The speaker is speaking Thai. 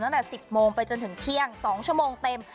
ตั้งแต่๑๐โมงไปจนถึงเที่ยง๒ชั่วโมงเต็ม